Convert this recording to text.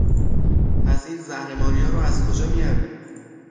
پس این زهر ماریا رو از کجا میاره؟